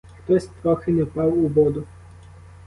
Хтось трохи не впав у воду.